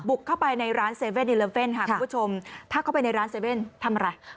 บุกเข้าไปในร้านเซเว่นอีเลิฟเฟ่นฮะคุณผู้ชมถ้าเข้าไปในร้านเซเว่นทำอะไร